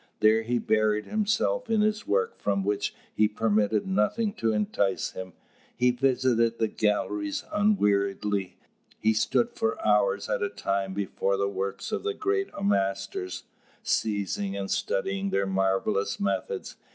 There he buried himself in his work from which he permitted nothing to entice him. He visited the galleries unweariedly, he stood for hours at a time before the works of the great masters, seizing and studying their marvellous methods.